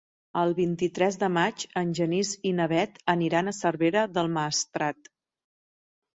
El vint-i-tres de maig en Genís i na Bet aniran a Cervera del Maestrat.